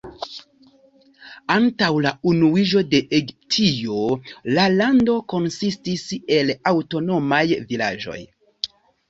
Antaŭ la unuiĝo de Egiptio, la lando konsistis el aŭtonomaj vilaĝoj.